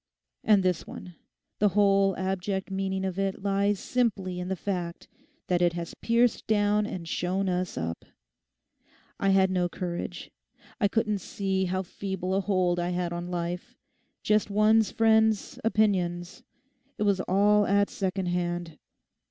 And this one—the whole abject meaning of it lies simply in the fact that it has pierced down and shown us up. I had no courage. I couldn't see how feeble a hold I had on life—just one's friends' opinions. It was all at second hand.